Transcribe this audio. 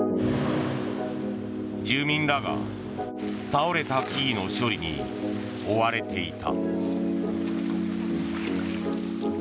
住民らが倒れた木々の処理に追われていた。